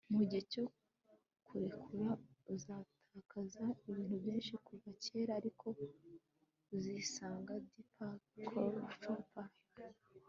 mugihe cyo kurekura uzatakaza ibintu byinshi kuva kera, ariko uzisanga - deepak chopra